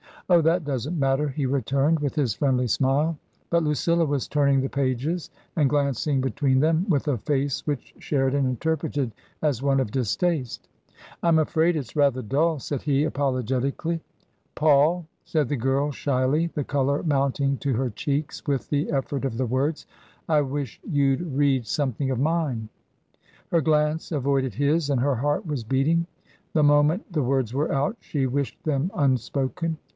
"Oh, that doesn't matter," he returned, with his friendly smile. But Lucilla was turning the pages and glancing be tween them with a face which Sheridan interpreted as one of distaste. " I'm afraid it's rather dull," said he, apologetically. " Paul," said the girl, shyly, the colour mounting to her cheeks with the effort of the words, " I wish you'd read something of mine." Her glance avoided his and her heart was beating. The moment the words were out she wished them un spoken.